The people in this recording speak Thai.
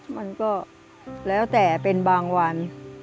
มันก็แล้วแต่เป็นบางวัน